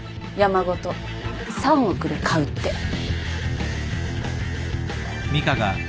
山ごと３億で買うって。